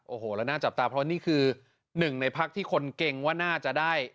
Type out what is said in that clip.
โอ้โหแล้วน่าจับตาเพราะนี่คือหนึ่งในพักที่คนเก่งว่าน่าจะได้